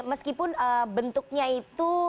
meskipun bentuknya itu